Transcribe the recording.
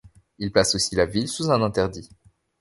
Il place aussi la ville sous un interdit.